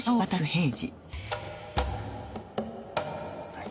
はい。